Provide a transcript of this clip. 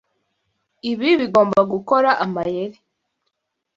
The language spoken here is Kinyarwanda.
Ibi bigomba gukora amayeri.